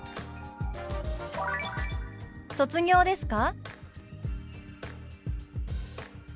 「卒業ですか？」。